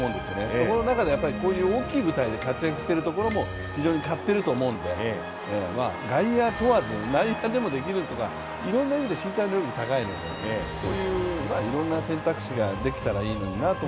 そこの中でこういう大きい舞台で活躍しているところも非常に買っていると思うので、外野問わず内野でもできるというか、身体能力が高いのでこういういろんな選択肢ができたらいいのになと。